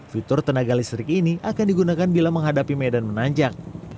fitur tenaga listrik ini akan digunakan bila menghadapi medan menanjak